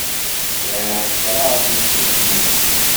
Sɛiɣ kraḍ n yiselkimen.